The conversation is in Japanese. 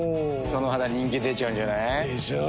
その肌人気出ちゃうんじゃない？でしょう。